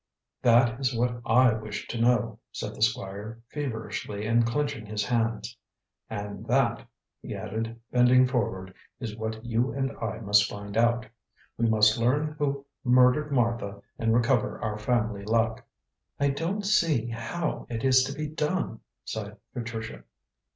"That is what I wish to know," said the Squire, feverishly and clenching his hands. "And that," he added, bending forward, "is what you and I must find out. We must learn who murdered Martha and recover our family luck." "I don't see how it is to be done," sighed Patricia.